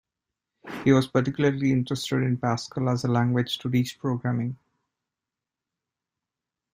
He was particularly interested in Pascal as a language to teach programming.